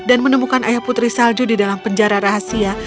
dan menemukan ayah putri salju di dalam penjara rahasia